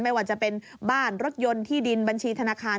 ไม่ว่าจะเป็นบ้านรถยนต์ที่ดินบัญชีธนาคาร